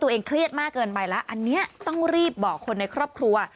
เครียดมากเกินไปแล้วอันนี้ต้องรีบบอกคนในครอบครัว